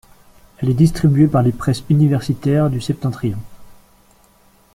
Elle est distribuée par les Presses universitaires du Septentrion.